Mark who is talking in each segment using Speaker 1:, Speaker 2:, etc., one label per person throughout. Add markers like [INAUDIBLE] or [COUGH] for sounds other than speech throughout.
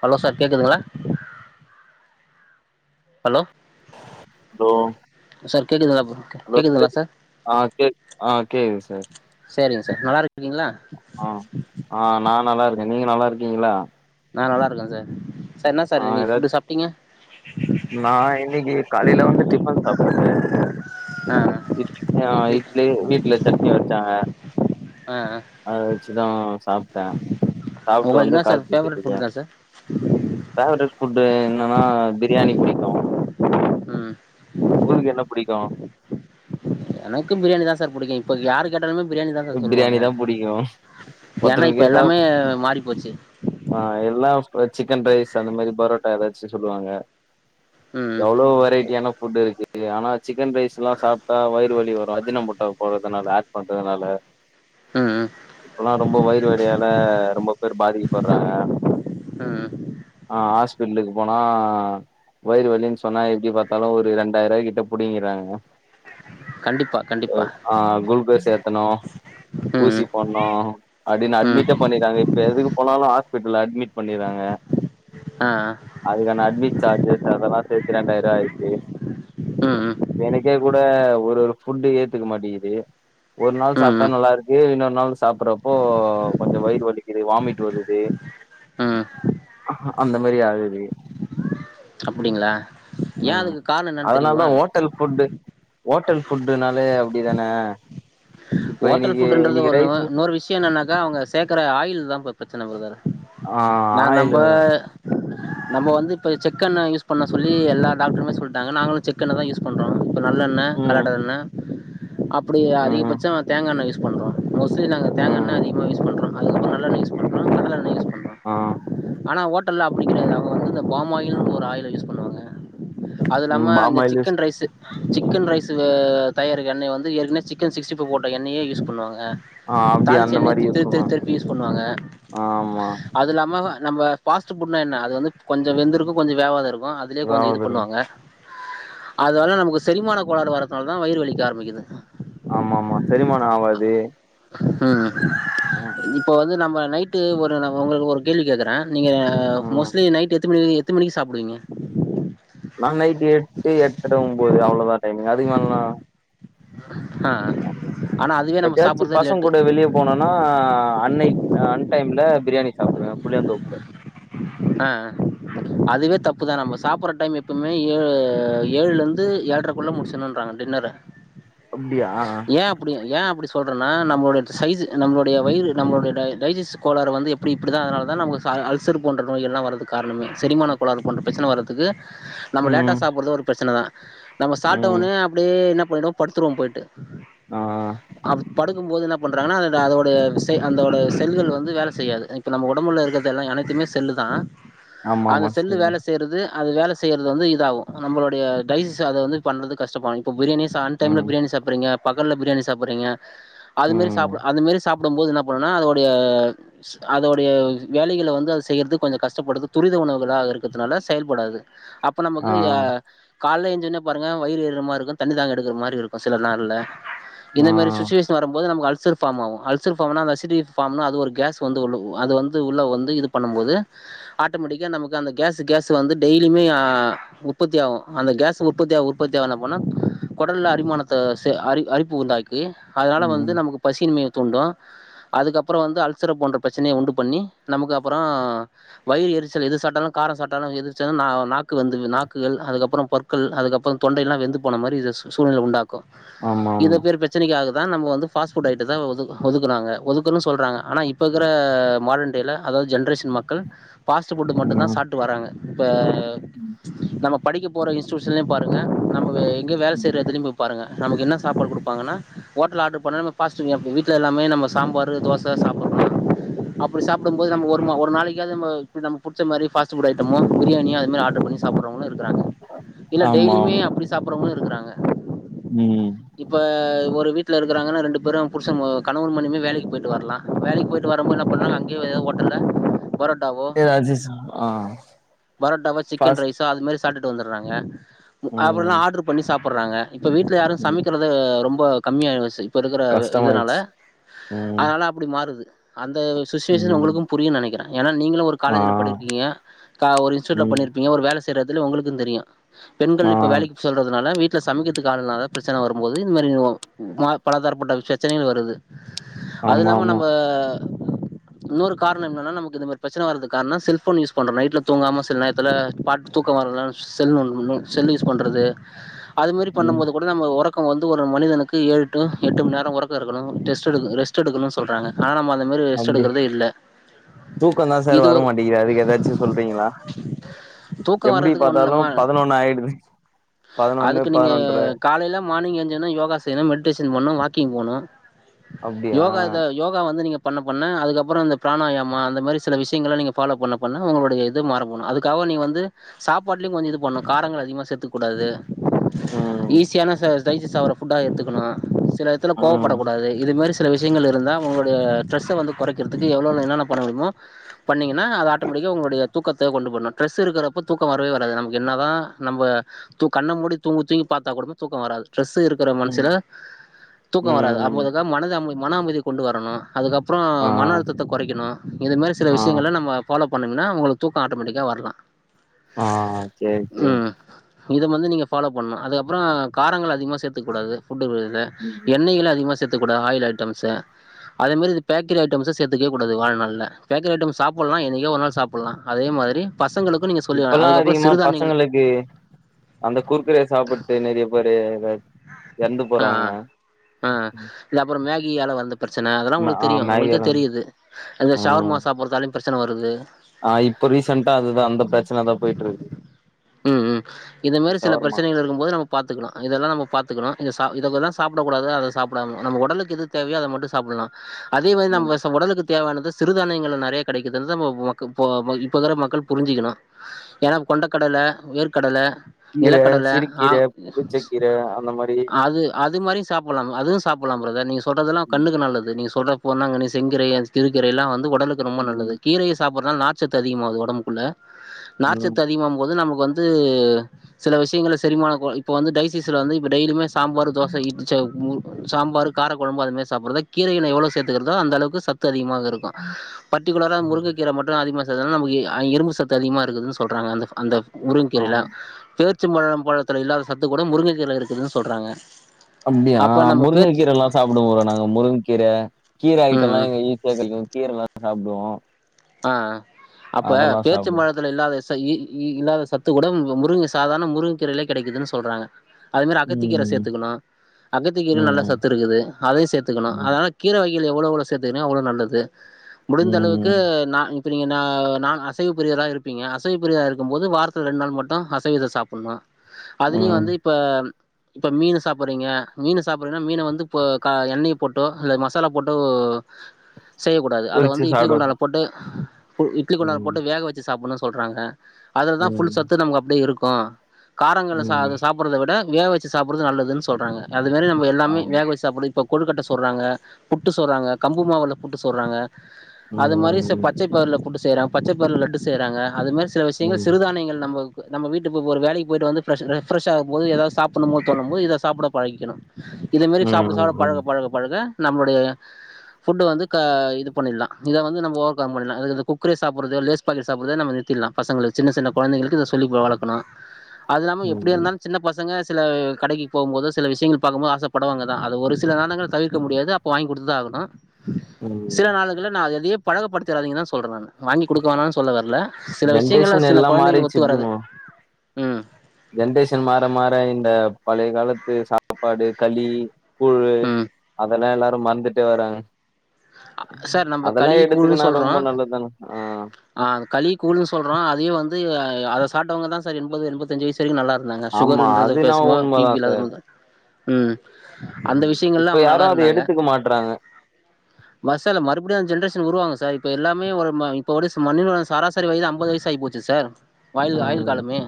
Speaker 1: Hello sir கேக்குதுங்களா hello
Speaker 2: hello
Speaker 1: sir கேக்குதுங்களா
Speaker 2: hello
Speaker 1: கேக்குதுங்களா
Speaker 2: கேக்து
Speaker 1: சார்
Speaker 2: ஆ கேக் ஆ கேக்குது சார்
Speaker 1: சேரிங்க சார் நல்லா இருக்கீங்களா
Speaker 2: ஆ ஆ நா நல்லாருக்கே நீங்க நல்லா இருக்கீங்களா
Speaker 1: நா நல்லா இருக்க சார் சார் என்ன
Speaker 2: ஆ
Speaker 1: சார் இன்னிக்கி
Speaker 2: ஏதாச்
Speaker 1: ஃபுட்டு சாப்பிட்டீங்க
Speaker 2: நா இன்னிக்கி காலில வந்து டிஃபன் சாப்ட சார்
Speaker 1: ஆ
Speaker 2: இட்லி ஆ இட்லி வீட்ல சட்னி வெச்சாங்க
Speaker 1: ஆ ஆ
Speaker 2: அத வெச்சுதா சாப்ட்டே சாப்ட்டு
Speaker 1: உங்களுக்கு
Speaker 2: வந்து
Speaker 1: என்ன சார்
Speaker 2: கால் பேசிட்டு
Speaker 1: ஃபேவரட்
Speaker 2: இருக்கே
Speaker 1: ஃபுட்டு் தா சார்
Speaker 2: பெவ்ரெட் ஃபுட்டு என்னன்னா பிரியாணி புடிக்கு
Speaker 1: ம்
Speaker 2: உங்களுக்கு என்ன புடிக்கு
Speaker 1: எனக்கு பிரியாணிதா சார் புடிக்கு இப்ப யாரு கேட்டாலுமே பிரியாணிதாங்க சொல்லுவாங்க
Speaker 2: பிரியாணி தா புடிக்கு
Speaker 1: ஏன்னா
Speaker 2: ஒருத்தவங்க
Speaker 1: இப்ப
Speaker 2: கேட்டா
Speaker 1: எல்லாமே மாறிப்போச்சு
Speaker 2: ஆ எல்லா சிக்கன் ரைஸ் அந்த மாரி பரோட்டா ஏதாச்சு சொல்லுவாங்க
Speaker 1: ம்
Speaker 2: எவ்ளோ வெரைட்டியான ஃபுட் இருக்கு ஆனா சிக்கன் ரைஸ்ல்லா சாப்ட்டா வயர் மூட்டு வலி வரு அஜினோமோட்டோ போட்றதுனால ஆட் பண்றதுனால
Speaker 1: ம் ம்
Speaker 2: இப்பெல்லா ரொம்ப வயிறு வலியால ரொம்ப பேர் பாதிக்கப்படுறாங்க
Speaker 1: ம்
Speaker 2: ஆ ஹாஸ்பிட்லுக்கு போனா வயர் வலின்னு சொன்னா எப்டி பாத்தாலு ஒரு ரெண்டாயிரரூவாகிட்ட புடிங்கிறாங்க
Speaker 1: கண்டிப்பா
Speaker 2: அ
Speaker 1: கண்டிப்பா
Speaker 2: ஆ குல்கோஸ் எத்தனு ஊசி
Speaker 1: ம்
Speaker 2: போடணோ அப்டின்னு
Speaker 1: ம்
Speaker 2: அட்மிட்டே பண்ணிறாங்க இப்ப எதுக்கு போனாலு ஹாஸ்பிட்ல அட்மிட் பண்ணிறாங்க
Speaker 1: ஆ
Speaker 2: அதுக்கான அட்மிட் சார்ஜஸ் அதெல்லா சேத்தி ரெண்டாயிரரூவா ஆய்ச்சு
Speaker 1: ம் ம்
Speaker 2: எனக்கே கூட ஒரு ஒரு ஃபுட்டு ஏத்துக்க மாட்டிங்கிது ஒரு நாள்
Speaker 1: ம்
Speaker 2: சாப்
Speaker 1: ம்
Speaker 2: க்கு இன்னொரு நாள் சாப்புறப்போ கொஞ்சோ வயிறு வலிக்கிது வாமிட் வருது
Speaker 1: ம்
Speaker 2: அந்த மாரி ஆகுது
Speaker 1: அப்டிங்களா ஏ
Speaker 2: ம்
Speaker 1: அதுக்கு காரணோ என்னன்னு
Speaker 2: அதனால தா
Speaker 1: தெரியுமா
Speaker 2: ஹோட்டல் ஃபுட்டு ஹோட்டல் ஃபுட்டுனாலே அப்படி தான
Speaker 1: ஹோட்டல் ஃபுட்டுன்றது ஒன்னு இன்னொறு விஷயம் என்னென்னாக்கா அவங்க சேர்க்குற ஆயில் தா ப்ப பிரச்சன பிரதர்
Speaker 2: ஆ
Speaker 1: நா லம்ம
Speaker 2: ஆயிலு
Speaker 1: நம்ம வந்து இப்ப செக்கெண்ண யூஸ் பண்ண சொல்லி எல்லா டாக்ட்ருமே சொல்ட்டாங்க நாங்களு செக்கெண்ண தா யூஸ் பண்றோ நல்லெண்ண
Speaker 2: ம்
Speaker 1: கலட எண்ண அப்டி
Speaker 2: ம்
Speaker 1: அதிகபச் தேங்கண்ண யூஸ் பண்றோ மோஸ்லி நாங்க தேங்கெண்ண
Speaker 2: ம்
Speaker 1: அதிக்மா யூஸ் பண்றோ அதுக்ப்றோ நல்லெண்ண யூஸ் பண்றோ கடலலெண்ண யூஸ்
Speaker 2: ஆ
Speaker 1: ஆனா ஓட்டல்ல அப்டி கெடையாது அவுங்க வந்து இந்த பாமாயில்ன் ஒரு ஆயில யூஸ் பண்ணுவாங்க அது இல்லாம
Speaker 2: ம்
Speaker 1: இந்த
Speaker 2: palm oil use
Speaker 1: chicken rice chicken ரைஸுவே தயாரிக்க எண்ணெய வந்து ஏற்க்குனே சிக்கன் சிக்ஸ்டிபைவ் போட்ட எண்ணெயே யூஸ் பண்ணுவாங்க
Speaker 2: ஆ
Speaker 1: அ
Speaker 2: அப்டி
Speaker 1: தாளிச்ச
Speaker 2: அந்த
Speaker 1: எண்ணயே
Speaker 2: மாரி யூஸ்
Speaker 1: திருப்
Speaker 2: பண்ணுவோ
Speaker 1: திருப் திருப்பி யூஸ் பண்ணுவாங்க
Speaker 2: ஆமா
Speaker 1: அது இல்லாம நம்ம ஃபாஸ்ட் ஃபுட்னா என்ன அது வந்து கொஞ்ச வெந்திருக்கு கொஞ்ச வேவாத இருக்கு அதுலேய கொஞ்ச இது
Speaker 2: இதாவுது
Speaker 1: பண்ணுவாங்க அதனால நமக்கு செரிமான கோளாரு வர்றதுனாலதா வயிறு வலிக்க ஆரம்பிக்குது
Speaker 2: ஆமா ஆமா செரிமான ஆவாது
Speaker 1: இப்போ வந்து நம்ம நைட்டு ஒரு நா ஒரு உங்களுக்கு ஒரு கேள்வி கேட்கறே நீங்க
Speaker 2: ம்
Speaker 1: மோஸ்ட்லி நைட் எத்தினி மணி எத்தினி மணிக்கி சாப்பிடுவீங்க உ
Speaker 2: நா நைட்டு எட்டு எட்ற ஒன்பது அவ்ளோதா டைமிங்க அதுக்குமேலலா
Speaker 1: ஆஹ
Speaker 2: எப்பயாச்சு பசங்க
Speaker 1: லேட்டு
Speaker 2: கூட வெளிய போனனா அன்னைக் நா அன் டைம்ல பிரியாணி சாப்புடுவே புளியாந்தோப்புல
Speaker 1: அ அதுவே தப் புதா நம்ம சாப்பற டைம் எப்பமே ஏழு ஏழுலருந்து ஏழ்ட்ரக்குள்ள முடிச்சணுன்றாங்க டின்னர
Speaker 2: அப்டியா
Speaker 1: ஏ அப்டி ஏ அப்டி சொல்ற ன்னா நம்மளுடைய சைஸ் நம்முடைய வயிறு நம்முடைய டைஜிஸன் கோளரு வந்து எப்டி இப்டிதா அதனால தா நம்லுக்கு அல்சர் போன்ற நோய்கள்ளா வறதுக்கு காரணமே செரிமான கோளாறு போன்ற பிரச்சனை வரதுக்கு நம்ம லேட்டா
Speaker 2: ம்
Speaker 1: சாப்பறது ஒரு பிரச்சனைதா நம்ம
Speaker 2: ம்
Speaker 1: சாப்ட்டவொனே அப்டியே என்ன பண்ணுவோ படுத்துடுவோ போயிட்டு
Speaker 2: ஆ
Speaker 1: அவ் படுக்கும்போது என்ன பண்ணுறாங்கன்னா அத அதோட விசை அந்தோட செல்கள் வந்து வேல செய்யாது இப்போ நம்ம ஒடம்புல இருக்கிறதெல்லா அனைத்துமே செல்லு தா
Speaker 2: ஆமா
Speaker 1: அந்த
Speaker 2: ஆமா
Speaker 1: செல்லு
Speaker 2: சரி
Speaker 1: வேலை செய்யறது அது வேல செய்யறது வந்து இதாகு நம்மளுடைய டைஸ் அத வந்து பண்ணுது கஷ்டப்படு இப்ப பிரியாணியே அன் டைம்ல
Speaker 2: ம்
Speaker 1: பிரியாணி சாப்புறீங்க பகல பிரியாணி சாப்புறீங்க அதுமாரி
Speaker 2: ம்
Speaker 1: சாப் அதுமாரி சாப் டும் போது என்ன பண்ணனா அதோடைய அதோடைய வேலைகள வந்து அது செய்யறது கொஞ்சோ கஷ்டப்படு துரித உணவுகளாக இருக்கிறதுனால செயல்படாது அப்ப
Speaker 2: ஆ
Speaker 1: நமக்கு கால்ல ஏஞ்சொன்னே பாருங்க வயிறு எரிற மாரி இருக்கு தண்ணி தாகோ எடுகுற மாரி இருக்கு சில நாள்ல இந்த
Speaker 2: ஆ
Speaker 1: மாரி சிச்சுவேஷ வரும்போது நமக்கு அல் சர் ஃபார்ம் ஆகு அல்சர் ஃபார்ம்ன அந்த அசி ஃபார்ம்னால் அது ஒரு கேஸ் வந்து அது வந்து உள்ள வந்து இதுப் பண்ணும்போது ஆட்டோமேட்டிக்கா நமக்கு அந்த கேஸ்சு கேஸ் வந்து டெய்லியுமே உற்பத்தி ஆகு அந்த கேஸ் உற்பத்திய உற்பத்தியா என்ன போனா கொடல்ல அரிமானத்த அரி அரிப்பு உண்டா கு அதனால வந்து
Speaker 2: ம்
Speaker 1: நமக்கு பசியின்மை தூண்டு அதுக்கப்புறோ வந்து அல்சர போன்ற பிரச்சனைய உண்டு பண்ணி நமக்கு பறோ வயிறு எரிச்சல் எது சாப்ட்டாலு காரோ சாட்டாலு எரிச்சல் நா நாக்கு வந்து நாக்குகள் அதுக்கப்றோ பற்கள் அதுக்கப்றோ தொண்டையெல்லா வெந்து போன மாரி சு சூழ்நிலை உண்டாக்கு
Speaker 2: ஆமா
Speaker 1: இந்த
Speaker 2: ஆமா
Speaker 1: பேர் பிரச்சனைக்கா அதா நம்ம வந்து ஃபாஸ்ட் ஃபுட் ஐட்டத ஒதுக்கு ஒதுக்குனாங்க ஒதுக்குணு சொல்றாங்க ஆனா இப்போ இருக்கற மார்டன் டே ல அதாவது ஜென்ரேஷன் மக்கள் பாஸ்ட்டு ஃபுட் மட்டு தா
Speaker 2: ம்
Speaker 1: சாப்ட்டு வராங்க இப்ப நம படிக்க போற இன்ஸ்டியூஸ்ல பாருங்க நம்ம எங்க வேல
Speaker 2: ம்
Speaker 1: செய்ற எடத்திலயும் போய் பாருங்க நமக்கு என்னா சாப்பாடு குடுப்பாங்கன்னா ஹோட்டல ஆர்டர் பண்ணணுமே ஃபாஸ்ட் ஃபுட் வீட்ல எல்லாமே நம்ம சாம்பாரு தோச சாப்புறோ அப்டி சாப் போடும்போது நமக்கு ஒருமோ ஒருநாளைக்காவது நம்ம ம்ம புட்ச்ச மாரி பஸ்ஃட்டு ஃபுட் ஐட்டமோ பிரியாணியோ அது மாரி ஆடர் பண்ணி சாப்றவங்களு இரு இருக்கிறாங்க இல்ல டெய்லியுமே
Speaker 2: ஆமாம்
Speaker 1: அப்டி சாப்பிடுறவங்களு இருக்காங்க
Speaker 2: ம்
Speaker 1: இப்ப ஒரு வீட் வீட்ல இருக்காங்கனா ரெண்டு பேரும் புருஷ்ச கணவன் மணிமே வேலைக்கு போயிட்டு வரலா வேலைக்கு போயிட்டு வரும்போ என்ன பண்ண அங்க எதோ ஓட்டல பொரோ
Speaker 2: ஏ ஜிச்ச ஆ
Speaker 1: பரோட்டாவா சிக்கன்
Speaker 2: ஃபாஸ்ட்
Speaker 1: ரைஸோ அது மாரி சாப்ட்டுட்டு வந்துறாங்க அப்புறல்லா
Speaker 2: ம்
Speaker 1: ஆர்ட்ரு பண்ணி சாப்புறாங்க இப்ப வீட்டுல யாரு
Speaker 2: ம்
Speaker 1: சமைக்கறது ரொம்ப கம்மியாயிச்சு இப்போ இருக்கிற இதனால
Speaker 2: கஷ்டமாயிடுச்சு ம்
Speaker 1: அதனால அப்டி மாறுது அந்த சுச்சுவேஷன்
Speaker 2: ம்
Speaker 1: உங்களுக்கு புரியும்னு நெனைக்கிறே ஏன்னா நீங்களு ஒரு
Speaker 2: ஆ
Speaker 1: காலேஜில படிக்கீங்க நா ஒரு இன்ஸூட்ல
Speaker 2: ம்
Speaker 1: பண்ணிருப்பீங்க ஒரு வேலை செய்யற எடத்துல உங்களுக்குக்கு தெரியு
Speaker 2: ஆ
Speaker 1: பெண்கள் இப்ப வேலைக்கு சொல்றதுனால வீட் வீட்ல சமைக்கிறதுக்கு ஆலனால பிரச்சனை வரும்போது இந்த மாரி ம் பலதாரப்பட்ட சச்சனைகள் வருது அது
Speaker 2: ஆமா
Speaker 1: இல்லாம
Speaker 2: ஆமா
Speaker 1: நம்ம இன்னொரு காரண என்னனா நமக்கு இது மாரி பிரச்சனை வருதுக் காரனோ செல்போன் யூஸ் பண்றோ நைட்ல தூங்காம சில நேரத்துல பாட்டு தூக்க வரலனு செல் நோண்டுவோ செல் யூஸ் பண்றது அது மாரி
Speaker 2: ம்
Speaker 1: பண்ணும்போது கூட நம் ஒரக் தூக்கோ வந்து ஒரு மனிதனுக்கு ஏழு டூ எட்டு மண் நேரோ ஒறக்க இருக்கனு டெஸ்டு எடுக் ரெஸ்ட் எடுக்கணுனு சொல்றாங்க ஆன நம்ம வந்து
Speaker 2: அப்டி தூக்கோ தா சார்
Speaker 1: இது ஒரு
Speaker 2: வரமாட்டேங்கிங்குது அதுக்கு ஏதாச்சு சொல்றீங்ளா
Speaker 1: தூக்கம்
Speaker 2: எப்டி
Speaker 1: வர்றதுக்கு ஒண்ணு
Speaker 2: பாத்தாலு
Speaker 1: இல்லமா
Speaker 2: பதினொன்னு ஆயிடுது பதினொன்னு
Speaker 1: அதுக்கு நீங்க
Speaker 2: பதினொன்றே
Speaker 1: காலையில மார்னிங் எஞ்சோனே யோகா செய்யணு மெட்டேஷன் பண்ணு வாக்கிங் போனு
Speaker 2: அப்டியா
Speaker 1: யோகா இத யோகா வந்து நீங்க பண்ண பண்ண அதுக்கப்புறோ இந்த பிராணாயாமா அந்த மாரி சில விஷயங்கள நீங்க பாலோ பண்ண பண்ண உங்களுடைய இ து மரபணு அதுக்காக நீ வந்து சாப்பாட்லுயு கொஞ்சோ இது பண்ணு காரங்கள் அதிகமா சேத்துக் கூடாது
Speaker 2: ம்
Speaker 1: ஈஸியான சை ச டைஜிஸ் ஆவுற ஃபுட்டா எடுத்துக்குணு சில எத்தல
Speaker 2: ம்
Speaker 1: கோவப்படக்கூடாது இது மாரிஸ் சில விஷயங்கள் இருந்தா உங்களுடைய ஸ்ரெஸ்சே வந்து கொறைக்கிறதுக்கு எவ்ளோன என்னென்ன பண்ண முடியுமோ பன்னீங்கன்னா அது ஆட்டோமேட்டி யியோ உங்களோடைய தூக்கத்தை கொண்டு போடணு ட்ரெஸ் இருக்கிறப்ப தூக்க வரவே வராது நமக்கு என்ன தா நம்ப தூ கண்ண மூடி தூங்கு தூங்கி ப பத்தா கூடமோ தூக்கோ வராது ஸ்ட்ரெஸ் இருக்கற
Speaker 2: ம்
Speaker 1: மனசுல தூக்கோ வராது
Speaker 2: ம்
Speaker 1: அப்போதுதா மனது அமி மன அமைதி கொண்டு வரணு அதுக்கப் அப்புறோ
Speaker 2: ஆ
Speaker 1: மன அழுத்தத்த கொறைக்கணு இது மாரி சில
Speaker 2: ஆ
Speaker 1: விஷயங்கள நம்ம ஃபாலோ பண்ணேன்னா அவங்களு தூக்கோ ஆட்டோமெட்டிக்கா வர்லா
Speaker 2: ஆ செரி செரி
Speaker 1: இத வந்து நீங்கள் ஃபாலோ பண்ணு அதுக்கப்புறோ காரங்கள்ல அதிகமாக சேத்துக்க கூடாது ஃபுட்டு வழியில்ல
Speaker 2: ம்
Speaker 1: எண்ணெய்கள அதிகமா சேத்துக்கூடா ஆயில் ஐட்டம்ஸ் அதே மேரி இது பேக்கரி ஐட்டம்ஸ சேத்துக்கவே கூடாது வாழ்னால்ல பேக்கரி ஐட்டம்ஸ் சாப்புடலா என்னைக்கோ ஒரு நாள் சாப்பில்லா அதே மாதிரி பசங்களுக்கு நீங்க சொல்லிருனு
Speaker 2: இப்பல்லா
Speaker 1: அதுக்கப்புறோ
Speaker 2: அதிகமா
Speaker 1: சிறுதான்யங்கள்
Speaker 2: பசங்களுக்கு அந்த குறுக்குறே சாப்புட்டு நெறைய பேரு [UNINTELLIGIBLE] இறந்து
Speaker 1: ஆ
Speaker 2: போறாங்க
Speaker 1: ஆ ஆ இது அப்புறோ மேகி ஆல வந்த பிரச்சன அதெல்லா உங்களுக்கு
Speaker 2: ஆ
Speaker 1: தெரியு
Speaker 2: மேகி
Speaker 1: அவுங்களுக்கே
Speaker 2: எல்லா
Speaker 1: தெரியுது அந்த
Speaker 2: ம்
Speaker 1: சவர்மா சாப்புறதாலயு பிரச்சன வருது
Speaker 2: ஆ இப்ப ரீசன்டா அதுதா அந்த பிரச்சன தா போயிட்டுருக்
Speaker 1: ம் ம் இத மேரி சில பிரச்சனைகள் இருக்கும் போது நம்ம பாத்துக்குணு இதெல்லா நம்ம பாத்துக்குணு இதா சா இதகொல்லா சாப்பிடக்கூடாது அத சாப்பிடாம நம்ம ஒடலுக்கு எது தேவையோ அத மட்டும் சாப்புல்லா அதே மாதிரி நம்ம
Speaker 2: ம்
Speaker 1: வஸ் உடலுக்கு தேவையானது சிறுதானியங்கள நெறைய கெடேக்குது இந்த மோ மோவக்கு போ மோ இப்போக்குற மக்கள் புரிஞ்சிக்கணு ஏன்னா கொண்டகடல வேர்கடல
Speaker 2: கீர
Speaker 1: நிலக்கடல ஆ
Speaker 2: சிறுக்கீர புளிச்சக்கீர அந்த மாரி
Speaker 1: அது அது மாரி சாப்பில்லா அதுவு சாப்புடலா பிரதர் நீ சொல்ரதல்லா
Speaker 2: ம்
Speaker 1: கண்ணுக்கு நல்லது நீ சொல்ற பொன்னாங்கன்னி செங்கீரை அது சிறுகீரையெல்லா வந் து ஒடலுக்கு ரொம்ப நல்லது
Speaker 2: ம்
Speaker 1: கீரையை சாப்புறதா நார் சத்து அதிகமாவுது ஒடம்புக்குள்ள
Speaker 2: ம்
Speaker 1: நார்ச்சத்து அதிகமாம்போது நமக் வந்து சில விஷயங்களே செரிமான கோல இப்ப வந்து டைசீஸ்சர வந்து இப்ப டெய்லிமேஸ் சாம்பார் தோச இட்சவ் முரு சாம்பாரு காரக்கெழம்பு அது மேரி சாப்படுறத கீரைகளே எவ்ளோ சேத்துக்குறதோ அந்தளவுக்கு சத்து அதிகமாவ் இருக்கு பர்டிகுலர முருங்கைக்கீரை மட்டு அதிகமா த்தனால நமக்கு இ ஆ இரும்பு சத்து அதிகமா இருக்குதுனு சொல்றாங்க அந்த அந்த முரு
Speaker 2: ஆ
Speaker 1: கீரையில பேர் ச்சம்பழம் பழத்துல இல்லாத சத்து கூட முருங்கைகீர்லே இருக்குன்னு சொல்றாங்க
Speaker 2: அப்டியா
Speaker 1: அப்ப நம்ம பேச்
Speaker 2: முருங்கைக்கீரே எல்லா சாப்பிடுவோ ஒரு நாங்க முருங்க்கீரே கீர
Speaker 1: ம்
Speaker 2: ஐட்டோல்லா
Speaker 1: ம்
Speaker 2: எங்க கடைக்கோ கீரேல்லா சாப்டுவோ
Speaker 1: ஆ அப்ப
Speaker 2: அதெல்லா
Speaker 1: பேர்ச்சம்
Speaker 2: சாப்டுவோ
Speaker 1: பழத்துல இல்லாதே ஸ் ச இ இ இல்லாத சத்து கூட ம் முருங்கே சாதாரண முருங்கீரைலே கெடைக்குதுன் சொல்றாங்க அதே மேரி அகத்திக்கீரே
Speaker 2: ம்
Speaker 1: சேத்துக்குனு அகத்து கீரை நல்ல
Speaker 2: ம்
Speaker 1: சத்து இருக்குது அதையு சேத்துக்குணு
Speaker 2: ம்
Speaker 1: அதனால கீரை வை கீழே எவ்ளோ எவ்ளோ சேத்துகுனே அவ்ளோ நல்லது முடிச்ச அளவுக்கு
Speaker 2: ம்
Speaker 1: அதுக்கு நீங்க நா நா அசைவு பிரியராய் இருப்பீங்க சைவு பிரியரா இருக்கும்போது வாரத்துல ரெண்டு நாள் மட்டு அசைவித சாப்புண்ணு அதுலேயு
Speaker 2: ம்
Speaker 1: வந்து இப்ப இப்ப மீனு சாப்பிடுறீங்க மீன் சாப்பிடுறீன்னா மீன வந்து இப்போ க எண்ணெய போட்டோ இல்ல மசாலா போட்டோ ஓ பொ செய்யக்கூடாது அத
Speaker 2: பொறிச்சு
Speaker 1: வந்து இட்லி
Speaker 2: சாப்டுவோ
Speaker 1: குண்டால போட்டு பு இட்லி குண்டால
Speaker 2: ம்
Speaker 1: போட்டு வேக வச்சு சாப்புன்னு சொல்றாங்க அதுலதா
Speaker 2: ம்
Speaker 1: புல் சத்து நமக்கு அப்டியே இருக்கு காரங்கள்ளே சா
Speaker 2: ம்
Speaker 1: சாப்பிடுறத விட வேக வச்சு சாப்படுறது நல்லதுன் சொல்றாங்க அது மேரி நம்ம எல்லாமே
Speaker 2: ஆமா
Speaker 1: வேக வச்சு சாப்பிடு இப்ப கொழுக்கட்ட சுட்றாங்க புட்டு சுட்றாங்க கம்பு மாவுல புட்டு சுட்றாங்க அது
Speaker 2: ம்
Speaker 1: மாதிரி ச
Speaker 2: ம்
Speaker 1: பச்சை புட்டு செய்யறங்க பச்சைப்பயறுல லட்டு செய்யறாங்க அது மேரி சில விஷயங்கள்
Speaker 2: ம்
Speaker 1: சிறுதானியங்கள் நம்ப நம்ம வீட்டு இப்ப ஒரு வேலைக்கி போயிட்டு வந்து ஃப்ரஷ் அ ஃப்ரெஷாகும் போது ஏதாவது சாப்பிடுன்னு தோணும் போது எத சாப்புடப் பழகிக்கிணு இதே மேரி சாப்புட
Speaker 2: ம்
Speaker 1: சாப்புட
Speaker 2: ம்
Speaker 1: பழக பழகப் பழக பழக நம்முடைய ஃபுட்டு வந்து க இது பண்ணிர்லா இத வந்து நம்ப ஒக் ப்புடலா இதுல குக்குரே சாப்புட்றது லேஸ் பாக்கெட் சாப்புட்றது எல்லாமே நிறுத்திர்லா பசங்கள சின்ன சின்ன கொழந்தைளுக்கு இத சொல்லி வளக்கணு அதுல்லாம எப்பிடி
Speaker 2: ம்
Speaker 1: இருந்தாலு சின்னப் பசங்க சில கடைக்கி போகும் போது சில விஷயங்கள் பாக்கும்போது ஆசப்படுவாங்க தா அது ஒரு சில நாடங்கள் தவிக்க முடியாது அப்போ வாங்கி குடுத்துதா ஆகணு
Speaker 2: ம்
Speaker 1: சில நாளுகள்ல நா அதையே பழக்கப்படுத்துறாதீங்க தா சொல்றே நானு வாங்கி குடுக்கவேணானு சொல்ல வரல சில விஷயங்கள்லா
Speaker 2: ஜென்ரேஷன்
Speaker 1: சில
Speaker 2: எல்லா
Speaker 1: கொழந்தைங்களுக்
Speaker 2: மாறிச்சு
Speaker 1: ஒத்து வராது
Speaker 2: ப்ரோ
Speaker 1: ம்
Speaker 2: ஜென்ரேஷன் மாற மாற இந்த பழைய காலத்து சாப்பாடு களி கூழு
Speaker 1: ம்
Speaker 2: அதெல்லாம் எல்லாரும் மறந்துட்டே வராங்க
Speaker 1: சார் நம்ப
Speaker 2: அதெல்லா
Speaker 1: களி கூழு
Speaker 2: எடுத்துக்குனா
Speaker 1: சொல்றோ
Speaker 2: ரொம்ப நல்லதுதான ஆ
Speaker 1: ஆ களி கூழு சொல்றோ அதயு வந் து அத சாட்டவங்கதா சார் எண்பது எண்பத்தஞ்சு வயசு வரிக்கு நல்லா இருந்தாங்க
Speaker 2: ஆமா
Speaker 1: சுகர்ன்றத
Speaker 2: அது என்னவோ
Speaker 1: பேசுமா பி பி
Speaker 2: உண்மதான்
Speaker 1: இல்லாத
Speaker 2: சார்.
Speaker 1: பது ம் அந்த
Speaker 2: ம்.
Speaker 1: விஷயங்கள்ல
Speaker 2: இப்ப
Speaker 1: அவங்க
Speaker 2: யாரும் அத
Speaker 1: நல்லாருந்தாங்க
Speaker 2: எடுத்துக்க மாட்றாங்க.
Speaker 1: ல்ல மறுபடியு அந்த ஜென்ரேஷன் உருவாகு சார் இப்ப எல்லாமே ஒரு ம இப்போ ஒரு மனிதனுடைய சராசரி வயது அம்பது வயசு ஆயிப் போச்சு சார் ஆயிள் ஆயுள்
Speaker 2: ம்.
Speaker 1: காலமே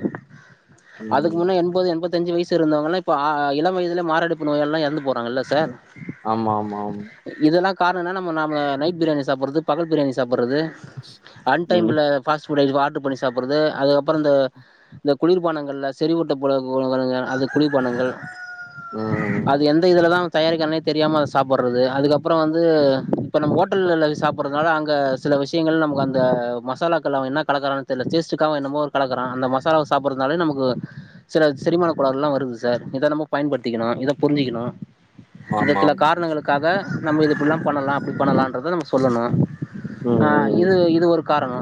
Speaker 1: அதுக்கு
Speaker 2: ம்.
Speaker 1: முன்ன எண்பது எண்பத் தஞ்சு வயசு இருந்தவங்கல்லா இப்ப ஆ இளம் வயதுலயே மாரடைப்பு நோயாலலா எறந்து போறாங்கல்ல சார்
Speaker 2: ஆமா ஆமா ஆம்
Speaker 1: ஏன்னா நம்ம நாம நைட் பிரியாணி சாப்பட்றது பகல் பிரியாணி சாப்பட்றது அன்
Speaker 2: ம்.
Speaker 1: டைம்ல ஃபாஸ்ட் ஃபுட்ட ஆடர் பண்ணி சாப்பட்றது அதுக்கப்புற இந்த குளிர்பானங்கள்ல செறிவூட்டப் பட கூ அ அது குளிர் பானங்கள் அது
Speaker 2: ம்.
Speaker 1: எந்த இதுலதா தயாரிக்கறானே தெரியாம அத சாப்பட்றது அதுக்கப்பற வந் து இப்ப நம்ம ஹோட்டல்ல லை சாப்படுறதுனால அதா அங்க சில விஷயங்கள் நமக்கு அந்த மசாலாக்கல்ல அவ என்ன கலக் கறானோ தெரில டேஸ்ட்டுக்காக அவ என்னமோ ஒரு கலக்கறா அந்த மசாலாவ சாப்புடறதுனாலயு சில செரிமானக் கோளாறுல்லா வருது சார் இத நம்ம பயன்படுத்திக்கணு இதப் புரிஞ்சுக்கணு இத சில
Speaker 2: ஆமாம்.
Speaker 1: காரணங்களுக்காக நம்ம இது இப்பிடிலா பண்ணலா அப்பிடி பண்ணலான்றத நம்ம சொல்லணு
Speaker 2: ம்,
Speaker 1: ஆ
Speaker 2: ம், ம்.
Speaker 1: இது இது ஒரு காரண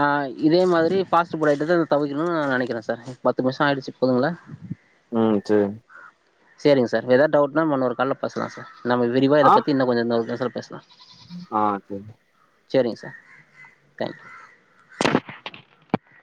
Speaker 1: ஆ இதே மாதிரி ஃபாஸ்ட் ஃபுட் ஐட்டத்த தவிர்க்கணுனு நா நெனைக்கிறே சார் பத்து நிமிஷ ஆயிடுச்சு போதுங்களா
Speaker 2: ம் சேரிங்
Speaker 1: சேரிங்க சார் ஏதாவது டவுட்னா நம்ம இன்னொரு கால்ல பேசலா சார் நம்ம விரிவா
Speaker 2: ஆ,
Speaker 1: இதப்பத்தி இன்ன கொஞ்ச இன்னொரு இதுல பேசலா
Speaker 2: ஆ செரி
Speaker 1: செரிங் சார் தேங்க்